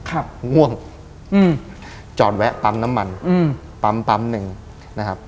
ห้วงจอดแวะปั๊มน้ำมันปั๊มหนึ่งนะครับ